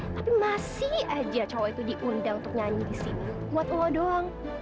tapi masih aja cowok itu diundang untuk nyanyi di sini buat allah doang